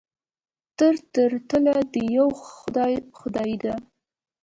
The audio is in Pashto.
تل تر تله د یوه خدای خدایي ده.